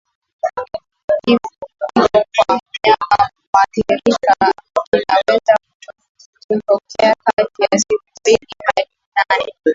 Kifo kwa mnyama muathirika kinaweza kutokea kati ya siku mbili hadi nane